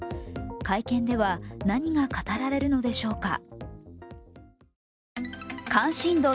会見では何が語られるのでしょうか。